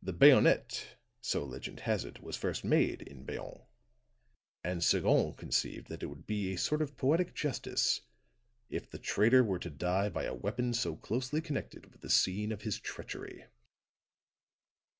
The bayonet, so legend has it, was first made in Bayonne, and Sagon conceived that it would be a sort of poetic justice if the traitor were to die by a weapon so closely connected with the scene of his treachery."